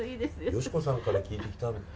佳子さんから聞いてきたって。